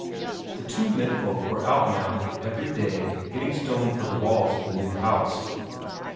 The two menfolk were out now every day getting stone for the walls of the new house.